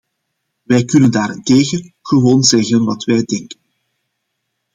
Wij kunnen daarentegen gewoon zeggen wat wij denken.